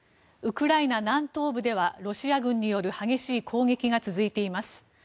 ウクライナ南東部ではロシア軍による激しい攻撃が続いています。